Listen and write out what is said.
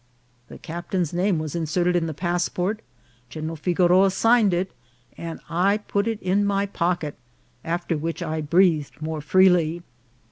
The captain's name was inserted in the passport, General Figoroa signed it, and I put it in my pocket, after which I breathed more freely.